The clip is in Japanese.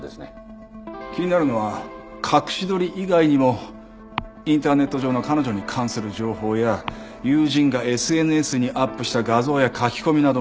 気になるのは隠し撮り以外にもインターネット上の彼女に関する情報や友人がＳＮＳにアップした画像や書き込みなどもある点だ。